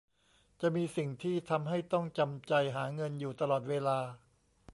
จะมีสิ่งที่ทำให้ต้องจำใจหาเงินอยู่ตลอดเวลา